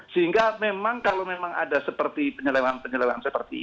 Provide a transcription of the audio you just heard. sehingga memang kalau memang ada seperti penyelewahan penyelewengan seperti ini